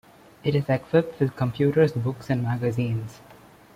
It is equipped with computers, books and magazines.